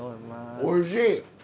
おいしい。